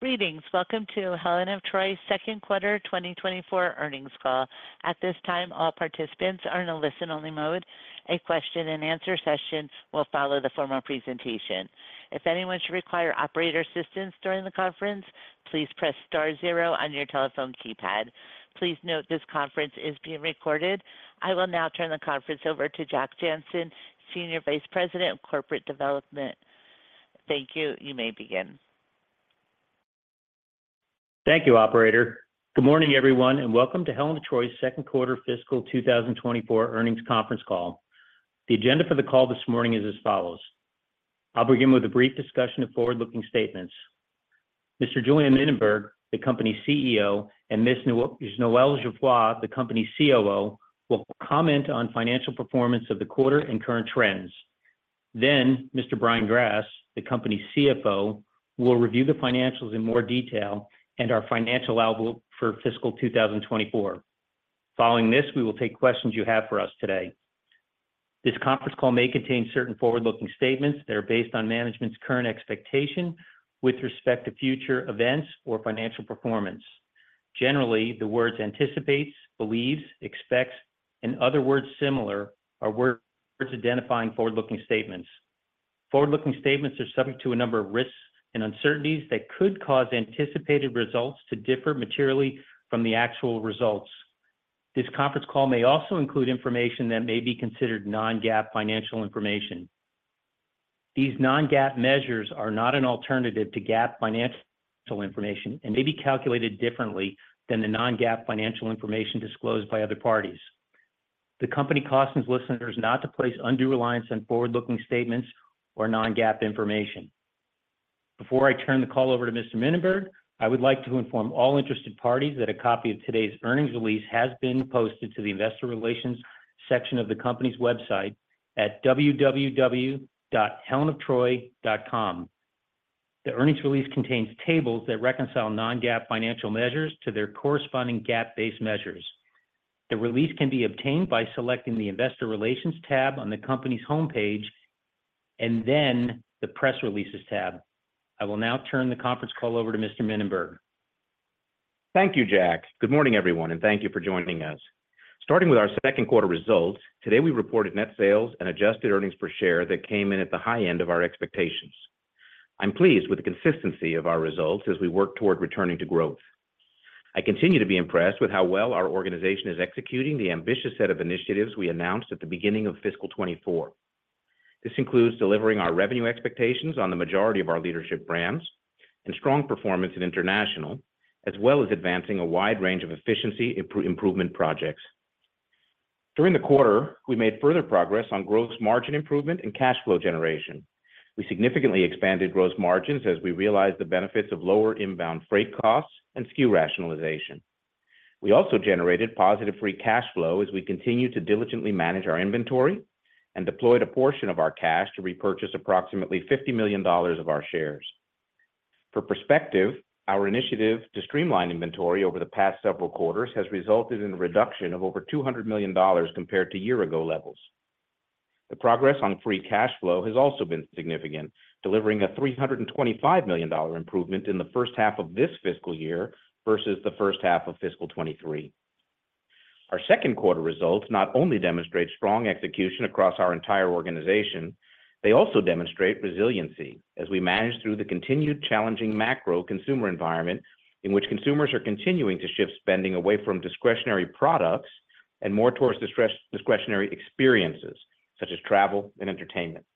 Greetings. Welcome to Helen of Troy's second quarter 2024 earnings call. At this time, all participants are in a listen-only mode. A question-and-answer session will follow the formal presentation. If anyone should require operator assistance during the conference, please press star zero on your telephone keypad. Please note this conference is being recorded. I will now turn the conference over to Jack Jancin, Senior Vice President of Corporate Development. Thank you. You may begin. Thank you, operator. Good morning, everyone, and welcome to Helen of Troy's second quarter fiscal 2024 earnings conference call. The agenda for the call this morning is as follows: I'll begin with a brief discussion of forward-looking statements. Mr. Julien Mininberg, the company's CEO, and Ms. Noel Geoffroy, the company's COO, will comment on financial performance of the quarter and current trends. Then Mr. Brian Grass, the company's CFO, will review the financials in more detail and our financial outlook for fiscal 2024. Following this, we will take questions you have for us today. This conference call may contain certain forward-looking statements that are based on management's current expectation with respect to future events or financial performance. Generally, the words anticipates, believes, expects, and other words similar are words identifying forward-looking statements. Forward-looking statements are subject to a number of risks and uncertainties that could cause anticipated results to differ materially from the actual results. This conference call may also include information that may be considered non-GAAP financial information. These non-GAAP measures are not an alternative to GAAP financial information and may be calculated differently than the non-GAAP financial information disclosed by other parties. The company cautions listeners not to place undue reliance on forward-looking statements or non-GAAP information. Before I turn the call over to Mr. Mininberg, I would like to inform all interested parties that a copy of today's earnings release has been posted to the Investor relations section of the company's website at www.helenoftroy.com. The earnings release contains tables that reconcile non-GAAP financial measures to their corresponding GAAP-based measures. The release can be obtained by selecting the Investor Relations tab on the company's homepage and then the Press Releases tab. I will now turn the conference call over to Mr. Mininberg. Thank you, Jack. Good morning, everyone, and thank you for joining us. Starting with our second quarter results, today, we reported net sales and adjusted earnings per share that came in at the high end of our expectations. I'm pleased with the consistency of our results as we work toward returning to growth. I continue to be impressed with how well our organization is executing the ambitious set of initiatives we announced at the beginning of fiscal 2024. This includes delivering our revenue expectations on the majority of our leadership brands and strong performance in international, as well as advancing a wide range of efficiency improvement projects. During the quarter, we made further progress on gross margin improvement and cash flow generation. We significantly expanded gross margins as we realized the benefits of lower inbound freight costs and SKU rationalization. We also generated positive free cash flow as we continued to diligently manage our inventory and deployed a portion of our cash to repurchase approximately $50 million of our shares. For perspective, our initiative to streamline inventory over the past several quarters has resulted in a reduction of over $200 million compared to year-ago levels. The progress on free cash flow has also been significant, delivering a $325 million improvement in the first half of this fiscal year versus the first half of fiscal 2023. Our second quarter results not only demonstrate strong execution across our entire organization, they also demonstrate resiliency as we manage through the continued challenging macro consumer environment in which consumers are continuing to shift spending away from discretionary products and more towards discretionary experiences such as travel and entertainment.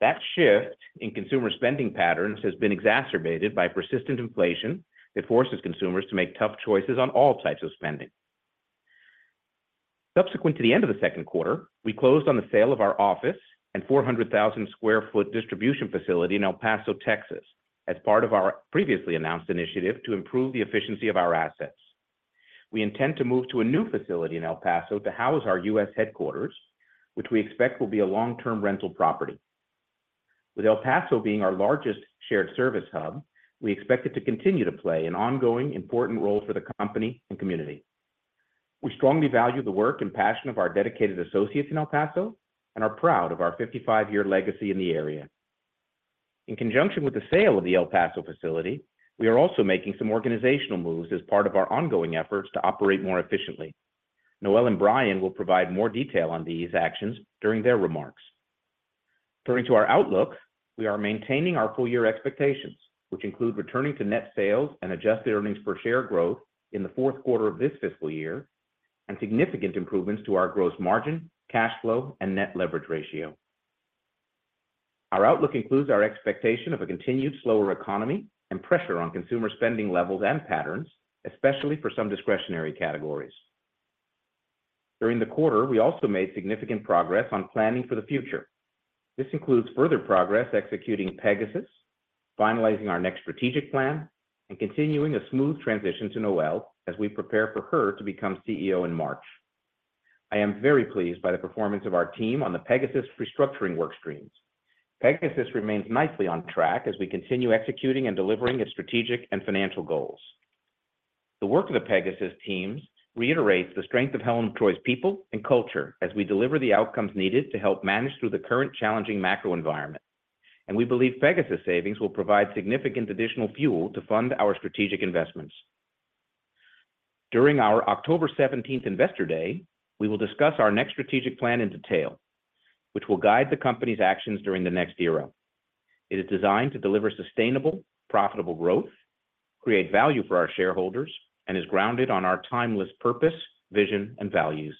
That shift in consumer spending patterns has been exacerbated by persistent inflation that forces consumers to make tough choices on all types of spending. Subsequent to the end of the second quarter, we closed on the sale of our office and 400,000 sq ft distribution facility in El Paso, Texas, as part of our previously announced initiative to improve the efficiency of our assets. We intend to move to a new facility in El Paso to house our U.S. headquarters, which we expect will be a long-term rental property. With El Paso being our largest shared service hub, we expect it to continue to play an ongoing, important role for the company and community. We strongly value the work and passion of our dedicated associates in El Paso and are proud of our 55-year legacy in the area. In conjunction with the sale of the El Paso facility, we are also making some organizational moves as part of our ongoing efforts to operate more efficiently. Noel and Brian will provide more detail on these actions during their remarks. Turning to our outlook, we are maintaining our full year expectations, which include returning to net sales and adjusted earnings per share growth in the fourth quarter of this fiscal year, and significant improvements to our gross margin, cash flow, and net leverage ratio. Our outlook includes our expectation of a continued slower economy and pressure on consumer spending levels and patterns, especially for some discretionary categories. During the quarter, we also made significant progress on planning for the future. This includes further progress executing Pegasus, finalizing our next strategic plan, and continuing a smooth transition to Noel as we prepare for her to become CEO in March. I am very pleased by the performance of our team on the Pegasus restructuring work streams. Pegasus remains nicely on track as we continue executing and delivering its strategic and financial goals.... The work of the Pegasus teams reiterates the strength of Helen of Troy's people and culture as we deliver the outcomes needed to help manage through the current challenging macro environment. We believe Pegasus savings will provide significant additional fuel to fund our strategic investments. During our October 17 Investor Day, we will discuss our next strategic plan in detail, which will guide the company's actions during the next era. It is designed to deliver sustainable, profitable growth, create value for our shareholders, and is grounded on our timeless purpose, vision, and values.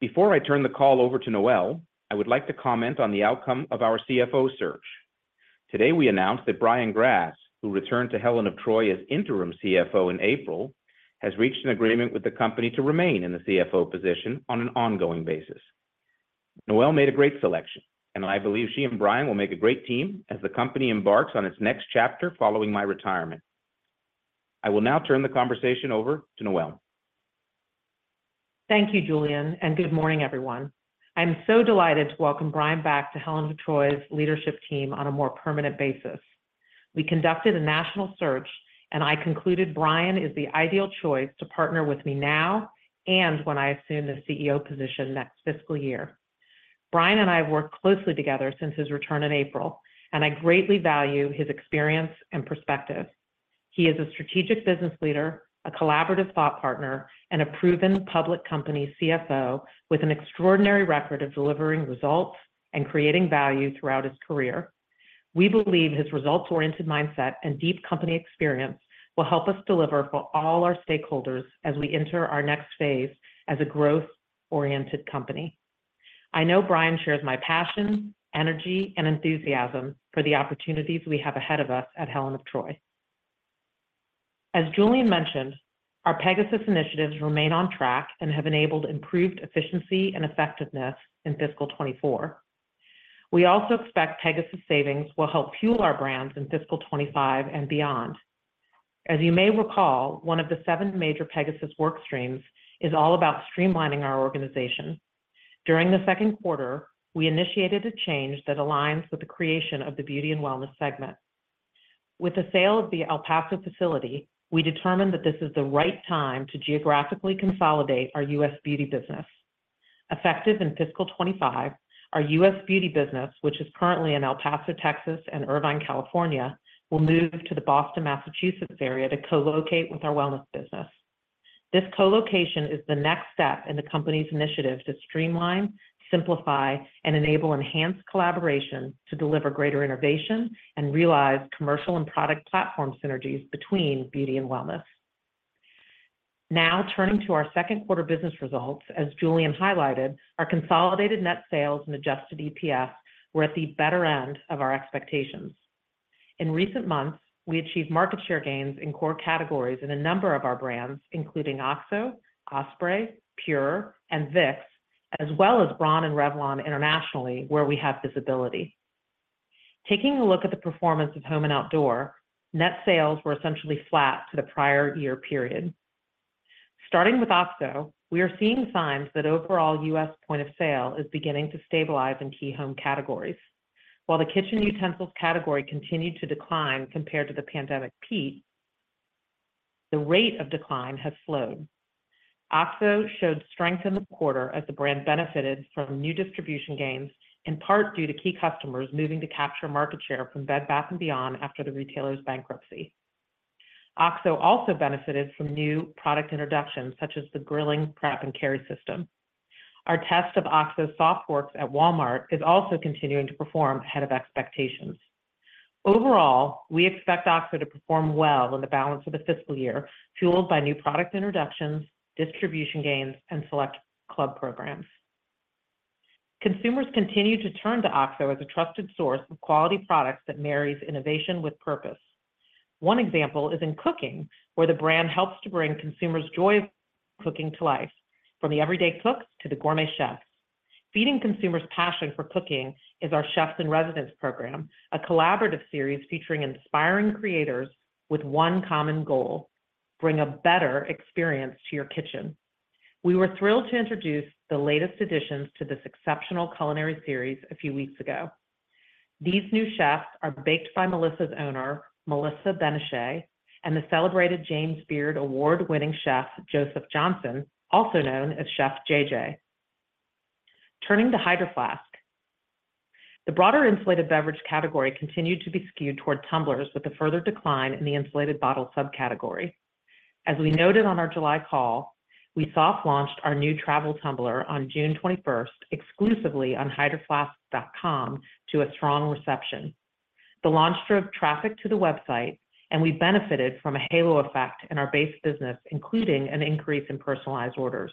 Before I turn the call over to Noel, I would like to comment on the outcome of our CFO search. Today, we announced that Brian Grass, who returned to Helen of Troy as interim CFO in April, has reached an agreement with the company to remain in the CFO position on an ongoing basis. Noel made a great selection, and I believe she and Brian will make a great team as the company embarks on its next chapter following my retirement. I will now turn the conversation over to Noel. Thank you, Julien, and good morning, everyone. I'm so delighted to welcome Brian back to Helen of Troy's leadership team on a more permanent basis. We conducted a national search, and I concluded Brian is the ideal choice to partner with me now and when I assume the CEO position next fiscal year. Brian and I have worked closely together since his return in April, and I greatly value his experience and perspective. He is a strategic business leader, a collaborative thought partner, and a proven public company CFO with an extraordinary record of delivering results and creating value throughout his career. We believe his results-oriented mindset and deep company experience will help us deliver for all our stakeholders as we enter our next phase as a growth-oriented company. I know Brian shares my passion, energy, and enthusiasm for the opportunities we have ahead of us at Helen of Troy. As Julien mentioned, our Pegasus initiatives remain on track and have enabled improved efficiency and effectiveness in fiscal 2024. We also expect Pegasus savings will help fuel our brands in fiscal 2025 and beyond. As you may recall, one of the seven major Pegasus work streams is all about streamlining our organization. During the second quarter, we initiated a change that aligns with the creation of the Beauty and Wellness segment. With the sale of the El Paso facility, we determined that this is the right time to geographically consolidate our U.S. Beauty business. Effective in fiscal 2025, our U.S. Beauty business, which is currently in El Paso, Texas, and Irvine, California, will move to the Boston, Massachusetts, area to co-locate with our Wellness business. This co-location is the next step in the company's initiative to streamline, simplify, and enable enhanced collaboration to deliver greater innovation and realize commercial and product platform synergies between Beauty and Wellness. Now, turning to our second quarter business results, as Julien highlighted, our consolidated net sales and adjusted EPS were at the better end of our expectations. In recent months, we achieved market share gains in core categories in a number of our brands, including OXO, Osprey, PUR, and Vicks, as well as Braun and Revlon internationally, where we have visibility. Taking a look at the performance of Home and Outdoor, net sales were essentially flat to the prior year period. Starting with OXO, we are seeing signs that overall U.S. point of sale is beginning to stabilize in key home categories. While the kitchen utensils category continued to decline compared to the pandemic peak, the rate of decline has slowed. OXO showed strength in the quarter as the brand benefited from new distribution gains, in part due to key customers moving to capture market share from Bed Bath & Beyond after the retailer's bankruptcy. OXO also benefited from new product introductions, such as the Grilling Prep and Carry System. Our test of OXO's SoftWorks at Walmart is also continuing to perform ahead of expectations. Overall, we expect OXO to perform well in the balance of the fiscal year, fueled by new product introductions, distribution gains, and select club programs. Consumers continue to turn to OXO as a trusted source of quality products that marries innovation with purpose. One example is in cooking, where the brand helps to bring consumers joy of cooking to life, from the everyday cooks to the gourmet chefs. Feeding consumers' passion for cooking is our Chefs in Residence program, a collaborative series featuring inspiring creators with one common goal: bring a better experience to your kitchen. We were thrilled to introduce the latest additions to this exceptional culinary series a few weeks ago. These new chefs are Baked by Melissa's owner, Melissa Ben-Ishay, and the celebrated James Beard Award-winning chef, Joseph Johnson, also known as Chef JJ. Turning to Hydro Flask. The broader insulated beverage category continued to be skewed toward tumblers, with a further decline in the insulated bottle subcategory. As we noted on our July call, we soft-launched our new travel tumbler on June 21, exclusively on hydroflask.com, to a strong reception. The launch drove traffic to the website, and we benefited from a halo effect in our base business, including an increase in personalized orders.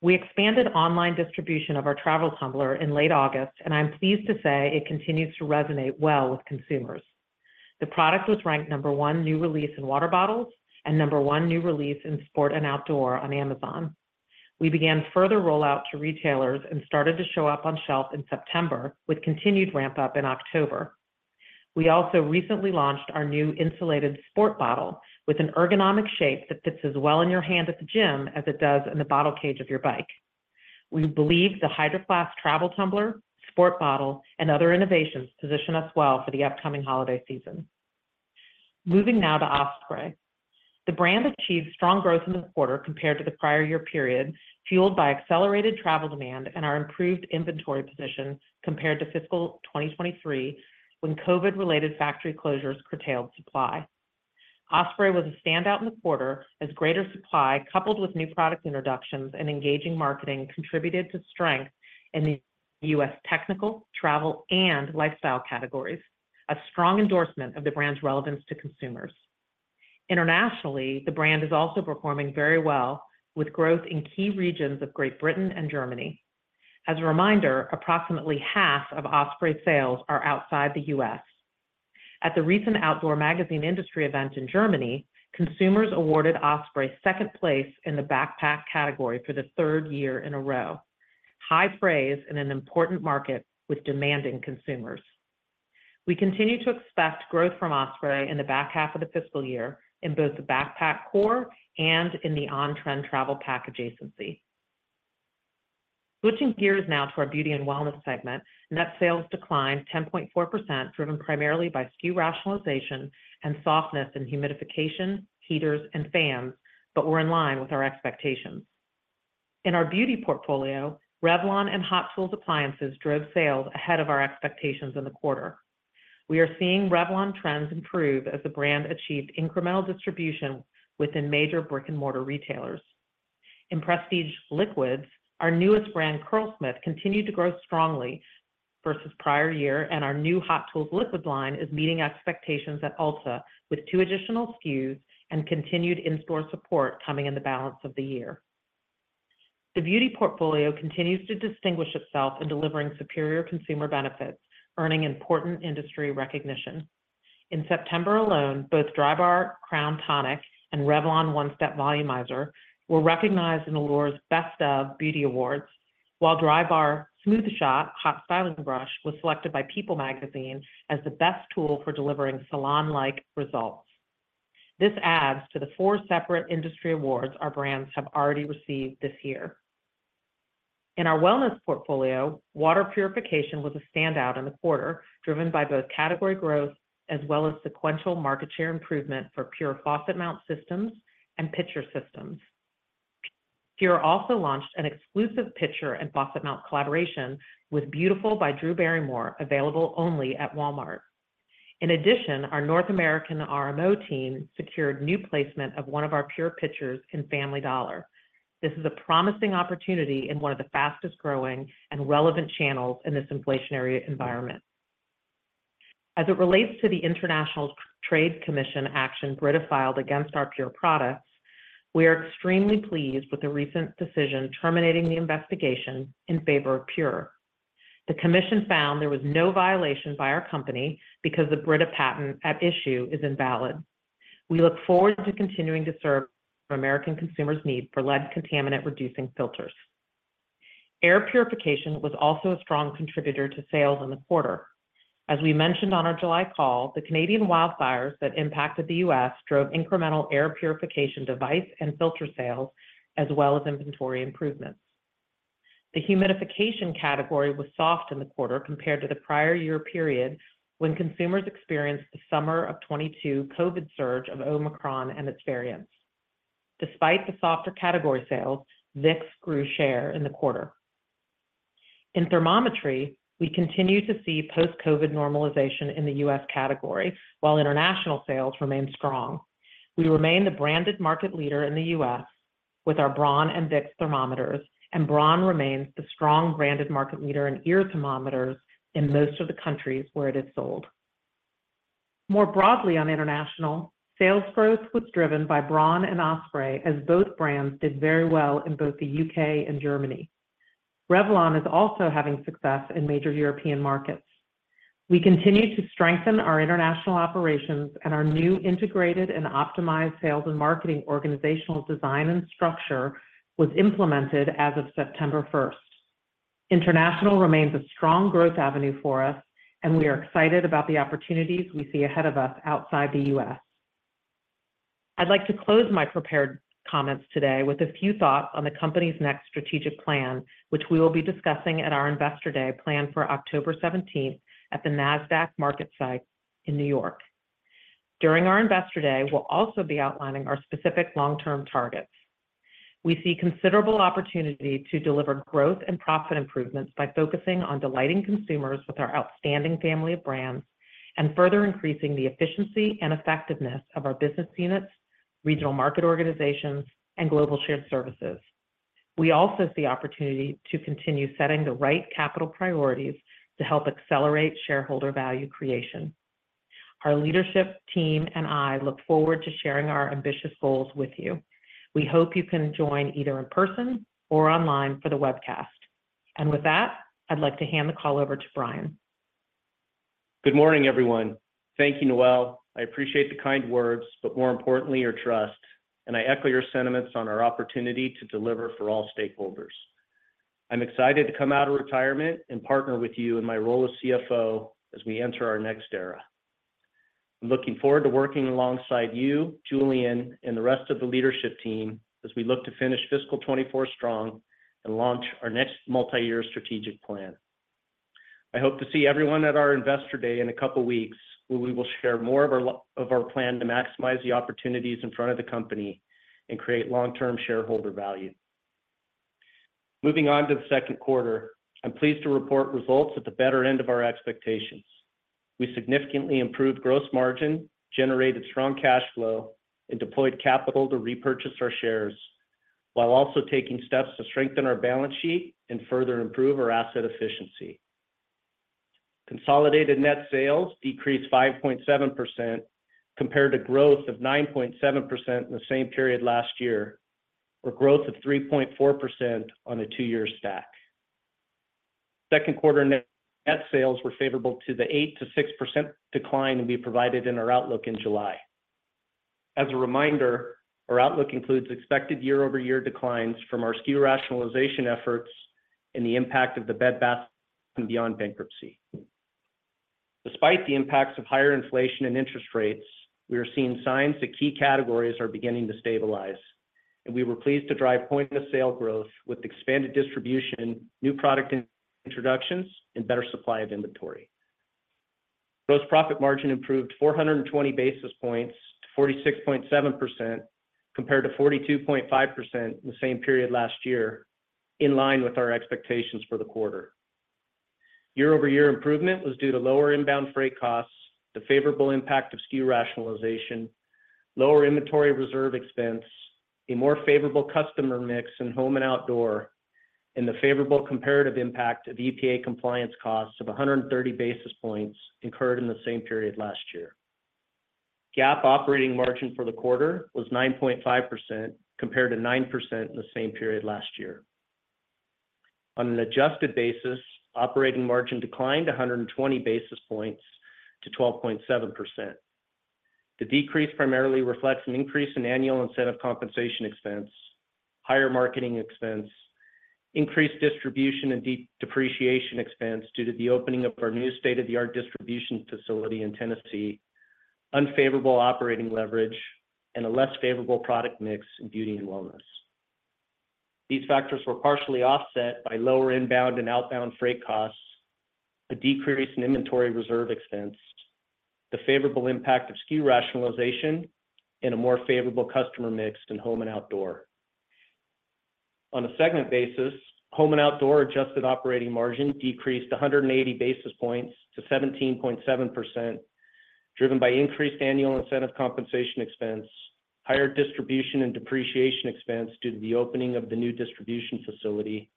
We expanded online distribution of our travel tumbler in late August, and I'm pleased to say it continues to resonate well with consumers. The product was ranked number one new release in water bottles and number one new release in sport and outdoor on Amazon. We began further rollout to retailers and started to show up on shelf in September, with continued ramp-up in October. We also recently launched our new insulated sport bottle with an ergonomic shape that fits as well in your hand at the gym as it does in the bottle cage of your bike... We believe the Hydro Flask travel tumbler, sport bottle, and other innovations position us well for the upcoming holiday season. Moving now to Osprey. The brand achieved strong growth in the quarter compared to the prior year period, fueled by accelerated travel demand and our improved inventory position compared to fiscal 2023, when COVID-related factory closures curtailed supply. Osprey was a standout in the quarter as greater supply, coupled with new product introductions and engaging marketing, contributed to strength in the U.S. technical, travel, and lifestyle categories, a strong endorsement of the brand's relevance to consumers. Internationally, the brand is also performing very well, with growth in key regions of Great Britain and Germany. As a reminder, approximately half of Osprey sales are outside the U.S. At the recent Outdoor Magazine industry event in Germany, consumers awarded Osprey second place in the backpack category for the third year in a row. High praise in an important market with demanding consumers. We continue to expect growth from Osprey in the back half of the fiscal year in both the backpack core and in the on-trend travel pack adjacency. Switching gears now to our beauty and wellness segment, net sales declined 10.4%, driven primarily by SKU rationalization and softness in humidification, heaters, and fans, but we're in line with our expectations. In our beauty portfolio, Revlon and Hot Tools appliances drove sales ahead of our expectations in the quarter. We are seeing Revlon trends improve as the brand achieved incremental distribution within major brick-and-mortar retailers. In prestige liquids, our newest brand, Curlsmith, continued to grow strongly versus prior year, and our new Hot Tools liquid line is meeting expectations at Ulta, with two additional SKUs and continued in-store support coming in the balance of the year. The beauty portfolio continues to distinguish itself in delivering superior consumer benefits, earning important industry recognition. In September alone, both Drybar Crown Tonic and Revlon One-Step Volumizer were recognized in Allure's Best of Beauty Awards, while Drybar Smooth Shot Hot Styling Brush was selected by People Magazine as the best tool for delivering salon-like results. This adds to the four separate industry awards our brands have already received this year. In our wellness portfolio, water purification was a standout in the quarter, driven by both category growth as well as sequential market share improvement for PUR faucet mount systems and pitcher systems. PUR also launched an exclusive pitcher and faucet mount collaboration with Beautiful by Drew Barrymore, available only at Walmart. In addition, our North American RMO team secured new placement of one of our PUR pitchers in Family Dollar. This is a promising opportunity in one of the fastest-growing and relevant channels in this inflationary environment. As it relates to the International Trade Commission action Brita filed against our PUR products, we are extremely pleased with the recent decision terminating the investigation in favor of PUR. The commission found there was no violation by our company because the Brita patent at issue is invalid. We look forward to continuing to serve American consumers' need for lead contaminant-reducing filters. Air purification was also a strong contributor to sales in the quarter. As we mentioned on our July call, the Canadian wildfires that impacted the U.S. drove incremental air purification device and filter sales, as well as inventory improvements. The humidification category was soft in the quarter compared to the prior year period, when consumers experienced the summer of 2022 COVID surge of Omicron and its variants. Despite the softer category sales, Vicks grew share in the quarter. In thermometry, we continue to see post-COVID normalization in the U.S. category, while international sales remain strong. We remain the branded market leader in the U.S. with our Braun and Vicks thermometers, and Braun remains the strong branded market leader in ear thermometers in most of the countries where it is sold. More broadly on international, sales growth was driven by Braun and Osprey, as both brands did very well in both the U.K. and Germany. Revlon is also having success in major European markets. We continue to strengthen our international operations, and our new integrated and optimized sales and marketing organizational design and structure was implemented as of September first. International remains a strong growth avenue for us, and we are excited about the opportunities we see ahead of us outside the U.S. I'd like to close my prepared comments today with a few thoughts on the company's next strategic plan, which we will be discussing at our Investor Day, planned for October seventeenth at the Nasdaq MarketSite in New York. During our Investor Day, we'll also be outlining our specific long-term targets. We see considerable opportunity to deliver growth and profit improvements by focusing on delighting consumers with our outstanding family of brands and further increasing the efficiency and effectiveness of our business units, regional market organizations, and global shared services. We also see opportunity to continue setting the right capital priorities to help accelerate shareholder value creation. Our leadership team and I look forward to sharing our ambitious goals with you. We hope you can join either in person or online for the webcast. With that, I'd like to hand the call over to Brian. Good morning, everyone. Thank you, Noel. I appreciate the kind words, but more importantly, your trust, and I echo your sentiments on our opportunity to deliver for all stakeholders. I'm excited to come out of retirement and partner with you in my role as CFO as we enter our next era. I'm looking forward to working alongside you, Julien, and the rest of the leadership team as we look to finish fiscal 2024 strong and launch our next multi-year strategic plan. I hope to see everyone at our Investor Day in a couple of weeks, where we will share more of our plan to maximize the opportunities in front of the company and create long-term shareholder value. Moving on to the second quarter, I'm pleased to report results at the better end of our expectations. We significantly improved gross margin, generated strong cash flow, and deployed capital to repurchase our shares, while also taking steps to strengthen our balance sheet and further improve our asset efficiency. Consolidated net sales decreased 5.7%, compared to growth of 9.7% in the same period last year, or growth of 3.4% on a two-year stack. Second quarter net sales were favorable to the 8%-6% decline we provided in our outlook in July. As a reminder, our outlook includes expected year-over-year declines from our SKU Rationalization efforts and the impact of the Bed Bath & Beyond bankruptcy. Despite the impacts of higher inflation and interest rates, we are seeing signs that key categories are beginning to stabilize, and we were pleased to drive point of sale growth with expanded distribution, new product introductions, and better supply of inventory. Gross profit margin improved 420 basis points to 46.7%, compared to 42.5% in the same period last year, in line with our expectations for the quarter. Year-over-year improvement was due to lower inbound freight costs, the favorable impact of SKU rationalization, lower inventory reserve expense, a more favorable customer mix in home and outdoor, and the favorable comparative impact of EPA compliance costs of 130 basis points incurred in the same period last year. GAAP operating margin for the quarter was 9.5%, compared to 9% in the same period last year. On an adjusted basis, operating margin declined 120 basis points to 12.7%. The decrease primarily reflects an increase in annual incentive compensation expense, higher marketing expense, increased distribution and depreciation expense due to the opening of our new state-of-the-art distribution facility in Tennessee, unfavorable operating leverage, and a less favorable product mix in beauty and wellness. These factors were partially offset by lower inbound and outbound freight costs, a decrease in inventory reserve expense, the favorable impact of SKU rationalization, and a more favorable customer mix in home and outdoor. On a segment basis, home and outdoor adjusted operating margin decreased 180 basis points to 17.7%, driven by increased annual incentive compensation expense, higher distribution and depreciation expense due to the opening of the new distribution facility,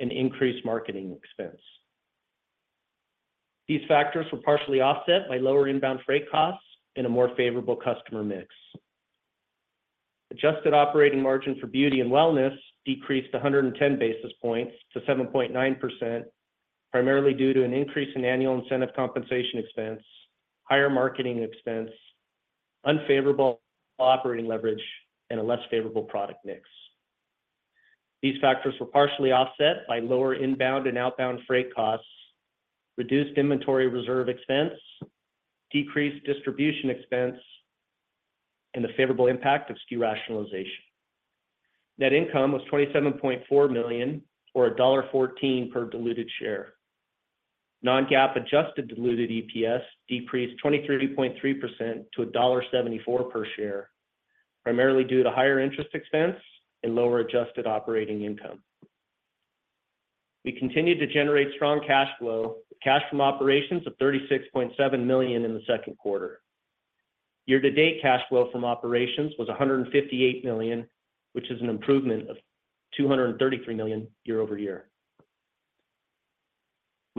and increased marketing expense. These factors were partially offset by lower inbound freight costs and a more favorable customer mix. Adjusted operating margin for beauty and wellness decreased 100 basis points to 7.9%, primarily due to an increase in annual incentive compensation expense, higher marketing expense, unfavorable operating leverage, and a less favorable product mix. These factors were partially offset by lower inbound and outbound freight costs, reduced inventory reserve expense, decreased distribution expense, and the favorable impact of SKU rationalization. Net income was $27.4 million, or $1.14 per diluted share. Non-GAAP adjusted diluted EPS decreased 23.3% to $1.74 per share, primarily due to higher interest expense and lower adjusted operating income. We continued to generate strong cash flow, with cash from operations of $36.7 million in the second quarter. Year-to-date cash flow from operations was $158 million, which is an improvement of $233 million year-over-year. We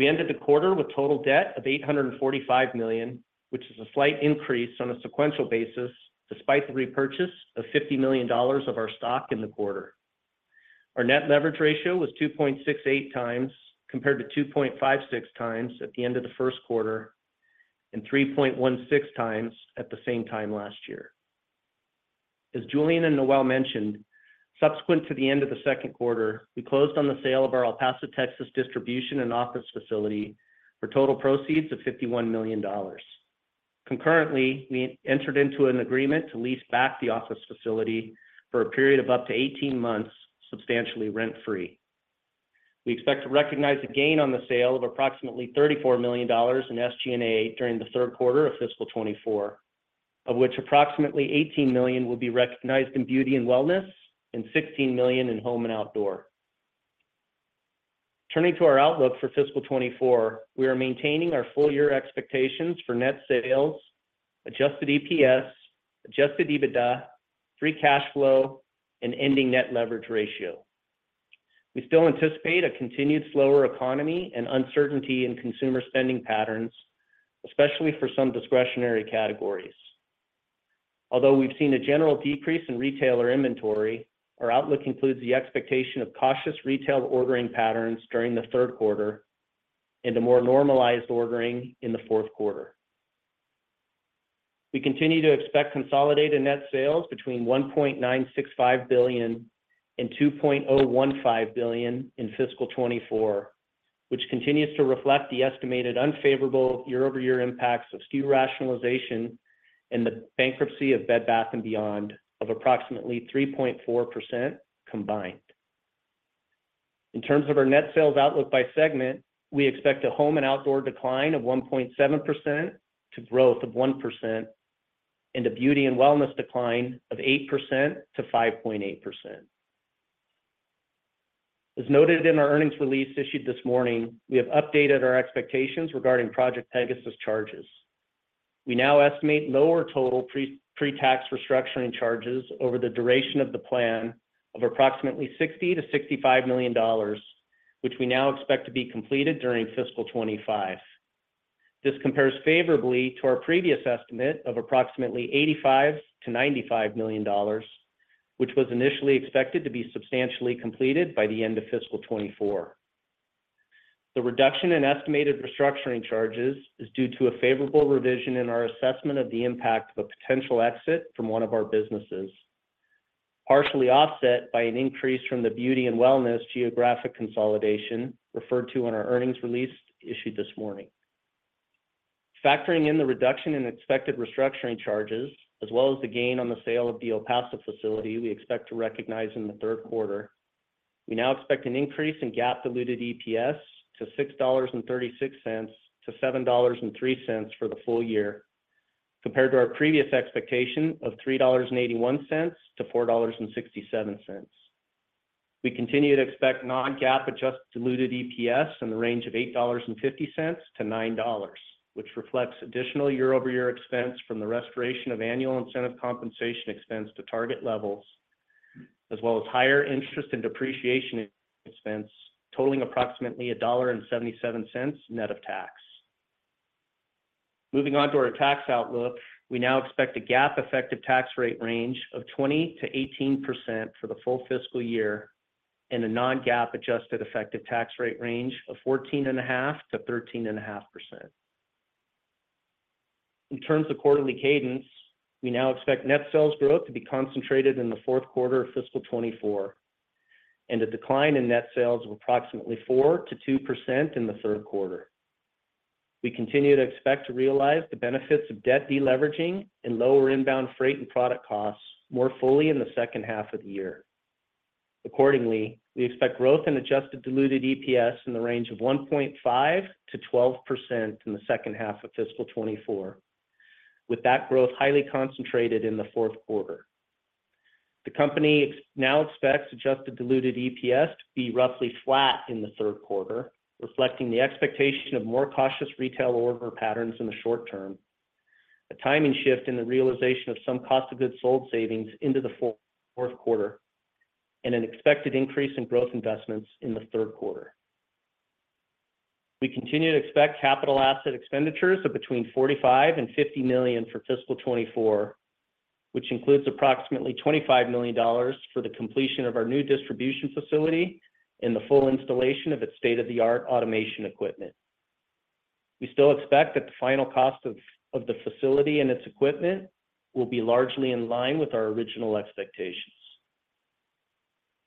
ended the quarter with total debt of $845 million, which is a slight increase on a sequential basis, despite the repurchase of $50 million of our stock in the quarter. Our net leverage ratio was 2.68 times, compared to 2.56 times at the end of the first quarter, and 3.16 times at the same time last year. As Julien and Noel mentioned, subsequent to the end of the second quarter, we closed on the sale of our El Paso, Texas, distribution and office facility for total proceeds of $51 million. Concurrently, we entered into an agreement to lease back the office facility for a period of up to 18 months, substantially rent-free. We expect to recognize a gain on the sale of approximately $34 million in SG&A during the third quarter of fiscal 2024, of which approximately $18 million will be recognized in Beauty and Wellness and $16 million in Home and Outdoor. Turning to our outlook for fiscal 2024, we are maintaining our full-year expectations for net sales, adjusted EPS, adjusted EBITDA, free cash flow, and ending net leverage ratio. We still anticipate a continued slower economy and uncertainty in consumer spending patterns, especially for some discretionary categories. Although we've seen a general decrease in retailer inventory, our outlook includes the expectation of cautious retail ordering patterns during the third quarter and a more normalized ordering in the fourth quarter. We continue to expect consolidated net sales between $1.965 billion and $2.015 billion in fiscal 2024, which continues to reflect the estimated unfavorable year-over-year impacts of SKU rationalization and the bankruptcy of Bed Bath & Beyond of approximately 3.4% combined. In terms of our net sales outlook by segment, we expect a home and outdoor decline of 1.7% to growth of 1%, and a beauty and wellness decline of 8% to 5.8%. As noted in our earnings release issued this morning, we have updated our expectations regarding Project Pegasus charges. We now estimate lower total pre-tax restructuring charges over the duration of the plan of approximately $60-$65 million, which we now expect to be completed during fiscal 2025. This compares favorably to our previous estimate of approximately $85 million-$95 million, which was initially expected to be substantially completed by the end of fiscal 2024. The reduction in estimated restructuring charges is due to a favorable revision in our assessment of the impact of a potential exit from one of our businesses, partially offset by an increase from the beauty and wellness geographic consolidation referred to in our earnings release issued this morning. Factoring in the reduction in expected restructuring charges, as well as the gain on the sale of the El Paso facility we expect to recognize in the third quarter, we now expect an increase in GAAP diluted EPS to $6.36-$7.03 for the full year, compared to our previous expectation of $3.81-$4.67. We continue to expect non-GAAP adjusted diluted EPS in the range of $8.50-$9.00, which reflects additional year-over-year expense from the restoration of annual incentive compensation expense to target levels, as well as higher interest and depreciation expense, totaling approximately $1.77 net of tax. Moving on to our tax outlook, we now expect a GAAP effective tax rate range of 20%-18% for the full fiscal year, and a non-GAAP adjusted effective tax rate range of 14.5%-13.5%. In terms of quarterly cadence, we now expect net sales growth to be concentrated in the fourth quarter of fiscal 2024, and a decline in net sales of approximately -4% to -2% in the third quarter. We continue to expect to realize the benefits of debt deleveraging and lower inbound freight and product costs more fully in the second half of the year. Accordingly, we expect growth in adjusted diluted EPS in the range of 1.5%-12% in the second half of fiscal 2024, with that growth highly concentrated in the fourth quarter. The company now expects adjusted diluted EPS to be roughly flat in the third quarter, reflecting the expectation of more cautious retail order patterns in the short term, a timing shift in the realization of some cost of goods sold savings into the fourth quarter, and an expected increase in growth investments in the third quarter. We continue to expect capital asset expenditures of between $45-$50 million for fiscal 2024, which includes approximately $25 million for the completion of our new distribution facility and the full installation of its state-of-the-art automation equipment. We still expect that the final cost of the facility and its equipment will be largely in line with our original expectations.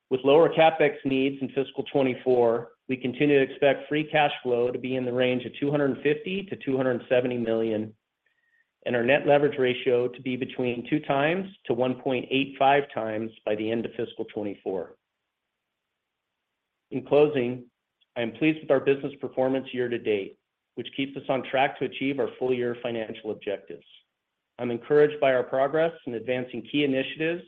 With lower CapEx needs in fiscal 2024, we continue to expect free cash flow to be in the range of $250-$270 million, and our net leverage ratio to be between 2x-1.85x by the end of fiscal 2024. In closing, I am pleased with our business performance year to date, which keeps us on track to achieve our full year financial objectives. I'm encouraged by our progress in advancing key initiatives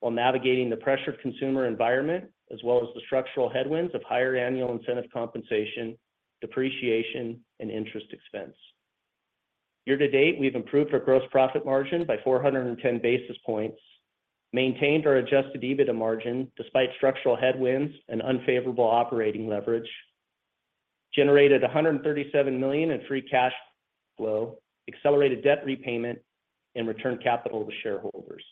while navigating the pressured consumer environment, as well as the structural headwinds of higher annual incentive compensation, depreciation, and interest expense. Year to date, we've improved our gross profit margin by 410 basis points, maintained our adjusted EBITDA margin despite structural headwinds and unfavorable operating leverage, generated $137 million in free cash flow, accelerated debt repayment, and returned capital to shareholders.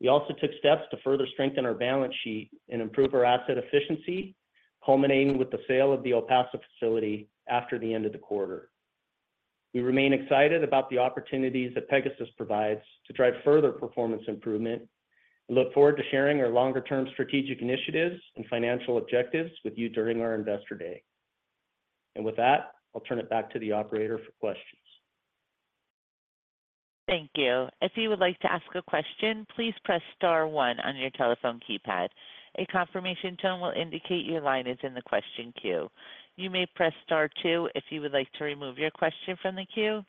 We also took steps to further strengthen our balance sheet and improve our asset efficiency, culminating with the sale of the El Paso facility after the end of the quarter. We remain excited about the opportunities that Pegasus provides to drive further performance improvement and look forward to sharing our longer-term strategic initiatives and financial objectives with you during our Investor Day. And with that, I'll turn it back to the operator for questions. Thank you. If you would like to ask a question, please press star one on your telephone keypad. A confirmation tone will indicate your line is in the question queue. You may press star two if you would like to remove your question from the queue.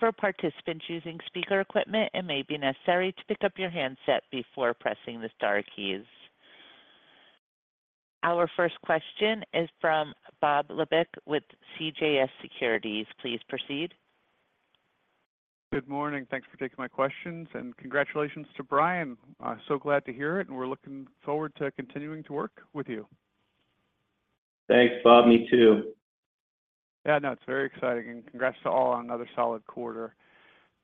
For participants using speaker equipment, it may be necessary to pick up your handset before pressing the star keys. Our first question is from Bob Labick with CJS Securities. Please proceed. Good morning. Thanks for taking my questions, and congratulations to Brian. I'm so glad to hear it, and we're looking forward to continuing to work with you. Thanks, Bob. Me too. Yeah, no, it's very exciting, and congrats to all on another solid quarter.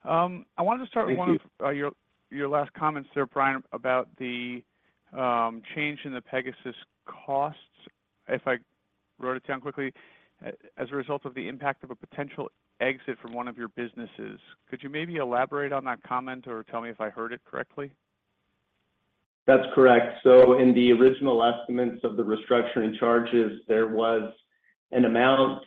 I wanted to start- Thank you. With one of your last comments there, Brian, about the change in the Pegasus costs, if I wrote it down quickly, as a result of the impact of a potential exit from one of your businesses. Could you maybe elaborate on that comment or tell me if I heard it correctly? ... That's correct. So in the original estimates of the restructuring charges, there was an amount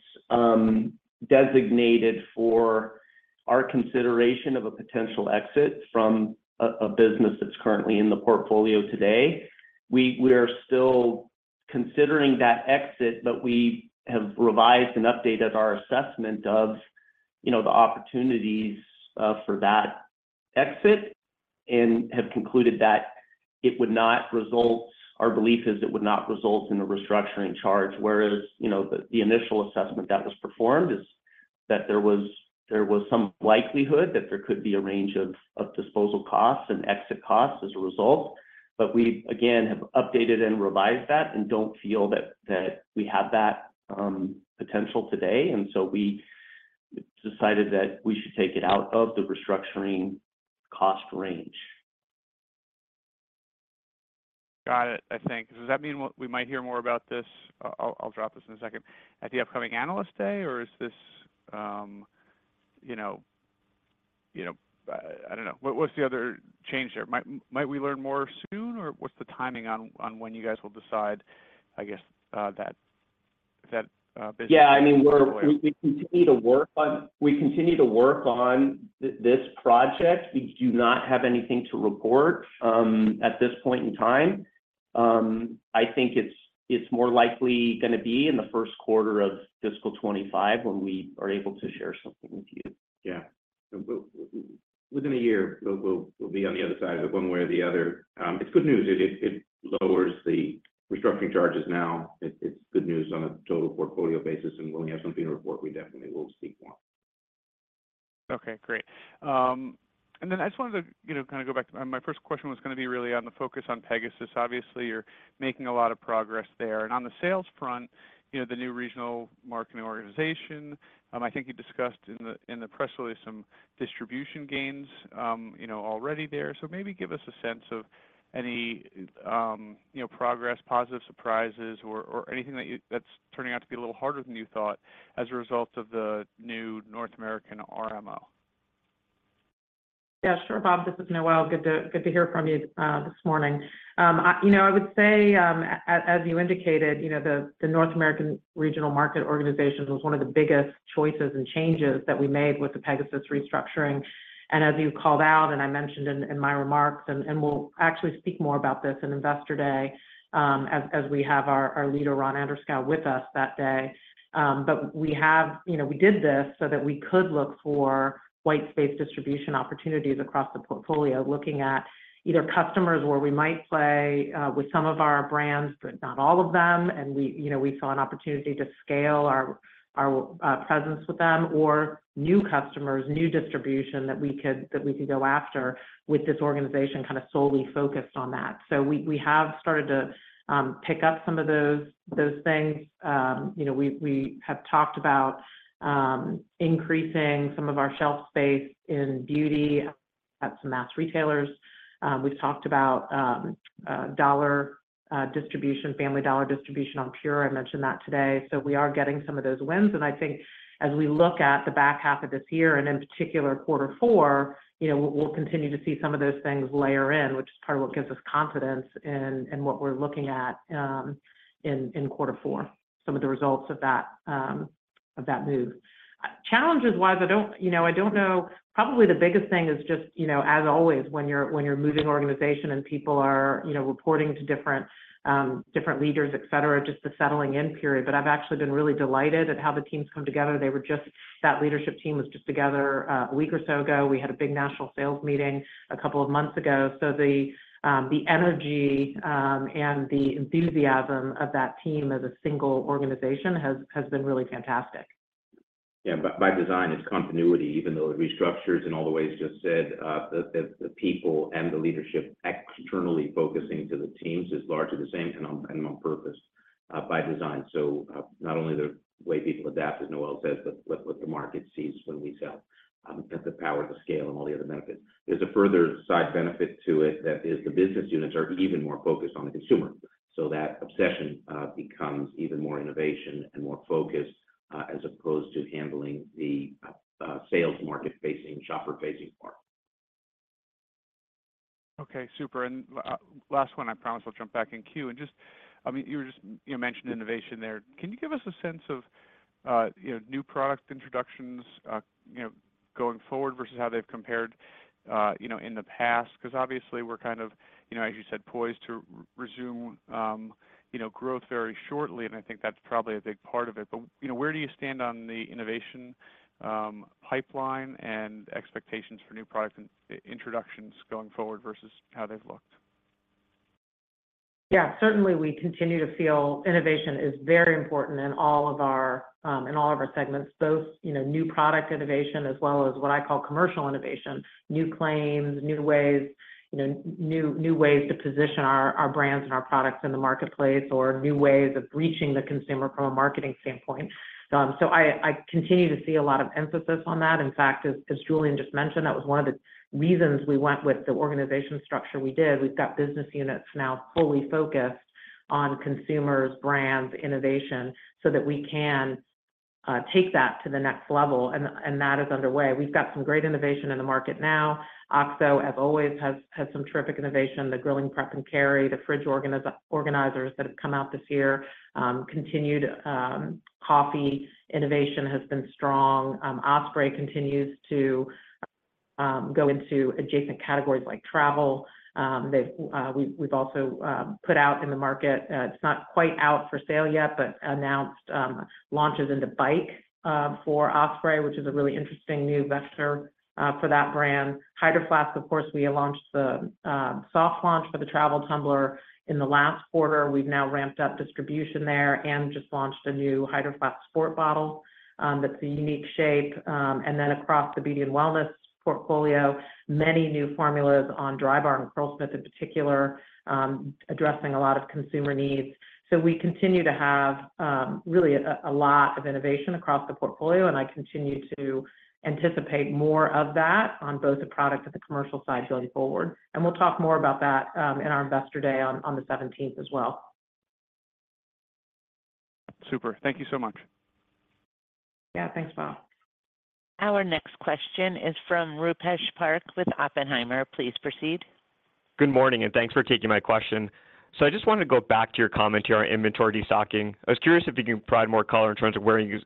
designated for our consideration of a potential exit from a business that's currently in the portfolio today. We are still considering that exit, but we have revised and updated our assessment of, you know, the opportunities for that exit and have concluded that it would not result. Our belief is it would not result in a restructuring charge. Whereas, you know, the initial assessment that was performed is that there was some likelihood that there could be a range of disposal costs and exit costs as a result. But we, again, have updated and revised that and don't feel that we have that potential today, and so we decided that we should take it out of the restructuring cost range. Got it, I think. Does that mean we might hear more about this, I'll drop this in a second, at the upcoming Analyst Day, or is this, you know, I don't know. What's the other change there? Might we learn more soon, or what's the timing on when you guys will decide, I guess, that business- Yeah, I mean, we continue to work on this project. We do not have anything to report at this point in time. I think it's more likely gonna be in the first quarter of fiscal 2025 when we are able to share something with you. Yeah. Within a year, we'll be on the other side of it one way or the other. It's good news. It lowers the restructuring charges now. It's good news on a total portfolio basis, and when we have something to report, we definitely will speak more. Okay, great. And then I just wanted to, you know, kind of go back to... My first question was gonna be really on the focus on Pegasus. Obviously, you're making a lot of progress there. And on the sales front, you know, the new Regional Market Organization, I think you discussed in the press release, some distribution gains, you know, already there. So maybe give us a sense of any, you know, progress, positive surprises, or anything that you, that's turning out to be a little harder than you thought as a result of the new North American RMO. Yeah, sure, Bob. This is Noel. Good to, good to hear from you, this morning. You know, I would say, as you indicated, you know, the North American Regional Market Organization was one of the biggest choices and changes that we made with the Project Pegasus restructuring. And as you called out, and I mentioned in my remarks, and we'll actually speak more about this in Investor Day, as we have our leader, Ron Anderskow, with us that day. But we have... You know, we did this so that we could look for white space distribution opportunities across the portfolio, looking at either customers where we might play with some of our brands, but not all of them, and we, you know, we saw an opportunity to scale our presence with them, or new customers, new distribution that we could go after with this organization kind of solely focused on that. So we have started to pick up some of those things. You know, we have talked about increasing some of our shelf space in beauty at some mass retailers. We've talked about dollar distribution, Family Dollar distribution on PUR. I mentioned that today. So we are getting some of those wins, and I think as we look at the back half of this year, and in particular, quarter four, you know, we'll, we'll continue to see some of those things layer in, which is part of what gives us confidence in, in what we're looking at, in, in quarter four, some of the results of that, of that move. Challenges-wise, I don't... You know, I don't know. Probably the biggest thing is just, you know, as always, when you're, when you're moving organization and people are, you know, reporting to different, different leaders, et cetera, just the settling in period. But I've actually been really delighted at how the team's come together. They were just-- That leadership team was just together, a week or so ago. We had a big national sales meeting a couple of months ago. So the energy and the enthusiasm of that team as a single organization has been really fantastic. Yeah. By design, it's continuity, even though it restructures, and all the ways just said, the people and the leadership externally focusing to the teams is largely the same, and on purpose, by design. So, not only the way people adapt, as Noel says, but what the market sees when we sell, at the power of the scale and all the other benefits. There's a further side benefit to it, that is, the business units are even more focused on the consumer. So that obsession becomes even more innovation and more focused, as opposed to handling the sales market-facing, shopper-facing part. Okay, super. And last one, I promise I'll jump back in queue. And just, I mean, you were just, you know, mentioned innovation there. Can you give us a sense of, you know, new product introductions, you know, going forward versus how they've compared, you know, in the past? Because obviously, we're kind of, you know, as you said, poised to resume, you know, growth very shortly, and I think that's probably a big part of it. But, you know, where do you stand on the innovation, pipeline and expectations for new product introductions going forward versus how they've looked? Yeah. Certainly, we continue to feel innovation is very important in all of our in all of our segments, both, you know, new product innovation as well as what I call commercial innovation, new claims, new ways, you know, new, new ways to position our, our brands and our products in the marketplace or new ways of reaching the consumer from a marketing standpoint. So I continue to see a lot of emphasis on that. In fact, as Julien just mentioned, that was one of the reasons we went with the organization structure we did. We've got business units now fully focused on consumers, brands, innovation, so that we can take that to the next level, and that is underway. We've got some great innovation in the market now. OXO, as always, has some terrific innovation, the grilling prep and carry, the fridge organizers that have come out this year. Continued coffee innovation has been strong. Osprey continues to go into adjacent categories like travel. They've... We've also put out in the market, it's not quite out for sale yet, but announced launches into bike for Osprey, which is a really interesting new vector for that brand. Hydro Flask, of course, we launched the soft launch for the travel tumbler in the last quarter. We've now ramped up distribution there and just launched a new Hydro Flask sport bottle, that's a unique shape. And then across the beauty and wellness portfolio, many new formulas on Drybar and Curlsmith, in particular, addressing a lot of consumer needs. So we continue to have really a lot of innovation across the portfolio, and I continue to anticipate more of that on both the product and the commercial side going forward. And we'll talk more about that in our Investor Day on the seventeenth as well. Super. Thank you so much. Yeah. Thanks, Bob. Our next question is from Rupesh Parikh with Oppenheimer. Please proceed. Good morning, and thanks for taking my question. So I just wanted to go back to your commentary on inventory destocking. I was curious if you can provide more color in terms of where you're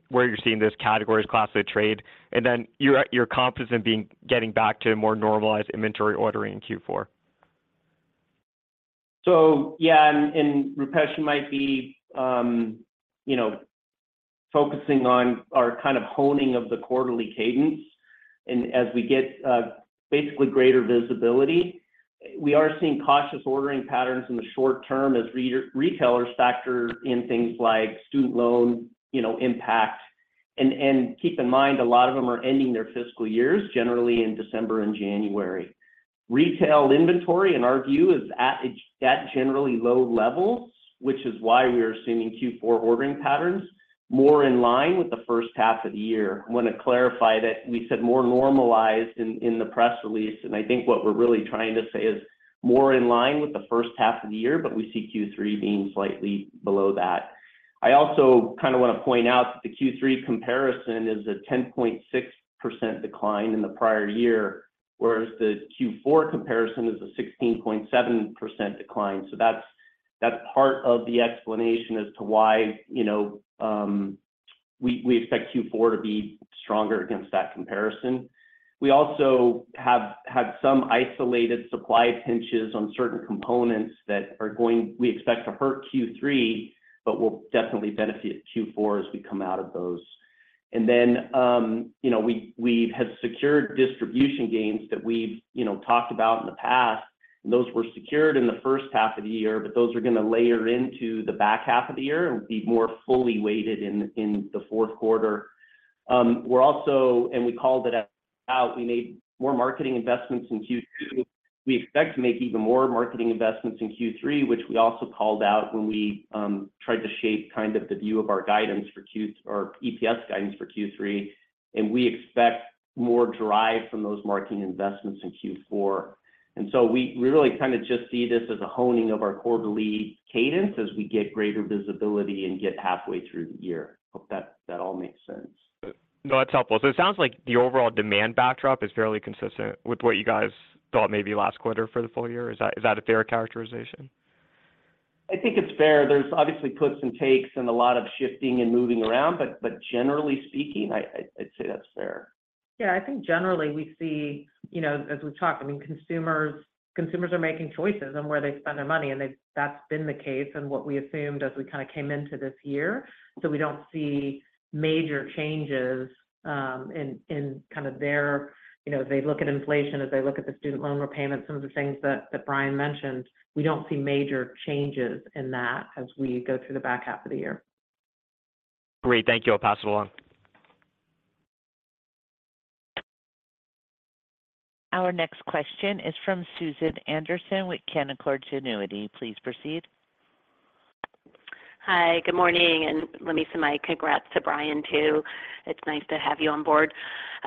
seeing these categories, class of trade, and then your confidence in getting back to a more normalized inventory ordering in Q4? So yeah, Rupesh might be, you know, focusing on our kind of honing of the quarterly cadence. And as we get basically greater visibility, we are seeing cautious ordering patterns in the short term as retailers factor in things like student loan, you know, impact. And keep in mind, a lot of them are ending their fiscal years, generally in December and January. Retail inventory, in our view, is at generally low levels, which is why we are seeing Q4 ordering patterns more in line with the first half of the year. I want to clarify that we said more normalized in the press release, and I think what we're really trying to say is more in line with the first half of the year, but we see Q3 being slightly below that. I also kind of want to point out that the Q3 comparison is a 10.6% decline in the prior year, whereas the Q4 comparison is a 16.7% decline. So that's, that's part of the explanation as to why, you know, we, we expect Q4 to be stronger against that comparison. We also have had some isolated supply pinches on certain components that are going, we expect to hurt Q3, but will definitely benefit Q4 as we come out of those. And then, you know, we, we have secured distribution gains that we've, you know, talked about in the past, and those were secured in the first half of the year, but those are gonna layer into the back half of the year and be more fully weighted in, in the fourth quarter. We're also, and we called it out, we made more marketing investments in Q2. We expect to make even more marketing investments in Q3, which we also called out when we tried to shape kind of the view of our guidance for Q-- or EPS guidance for Q3, and we expect more drive from those marketing investments in Q4. And so we really kind of just see this as a honing of our quarterly cadence as we get greater visibility and get halfway through the year. Hope that, that all makes sense. No, that's helpful. So it sounds like the overall demand backdrop is fairly consistent with what you guys thought maybe last quarter for the full year. Is that, is that a fair characterization? I think it's fair. There's obviously puts and takes and a lot of shifting and moving around, but generally speaking, I'd say that's fair. Yeah, I think generally we see, you know, as we talk, I mean, consumers, consumers are making choices on where they spend their money, and they- that's been the case and what we assumed as we kinda came into this year. So we don't see major changes, in kind of their, you know, as they look at inflation, as they look at the student loan repayments, some of the things that Brian mentioned, we don't see major changes in that as we go through the back half of the year. Great. Thank you. I'll pass it along. Our next question is from Susan Anderson with Canaccord Genuity. Please proceed. Hi, good morning, and let me send my congrats to Brian, too. It's nice to have you on board.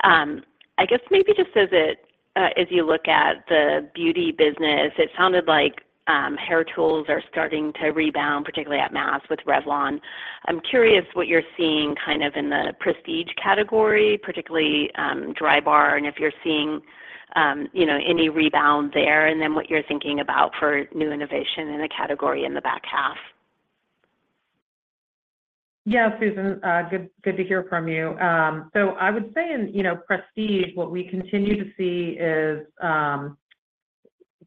I guess maybe just as it as you look at the beauty business, it sounded like hair tools are starting to rebound, particularly at mass with Revlon. I'm curious what you're seeing kind of in the prestige category, particularly Drybar, and if you're seeing you know, any rebound there, and then what you're thinking about for new innovation in the category in the back half. Yeah, Susan, good, good to hear from you. So I would say in, you know, prestige, what we continue to see is,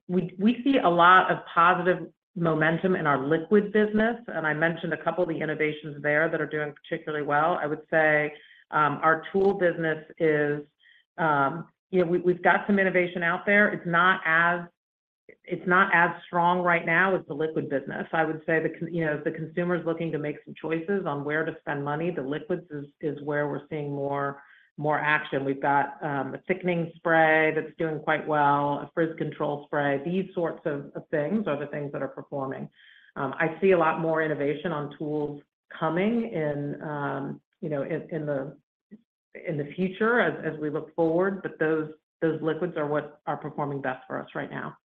we see a lot of positive momentum in our liquid business, and I mentioned a couple of the innovations there that are doing particularly well. I would say, our tool business is, you know, we've got some innovation out there. It's not as strong right now as the liquid business. I would say the con- you know, the consumer is looking to make some choices on where to spend money. The liquids is where we're seeing more action. We've got a thickening spray that's doing quite well, a frizz control spray. These sorts of things are the things that are performing. I see a lot more innovation on tools coming in, you know, in the future as we look forward, but those liquids are what are performing best for us right now....